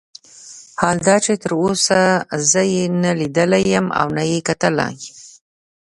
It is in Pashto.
حال دا چې تر اوسه یې زه نه لیدلی یم او نه یې کتلی.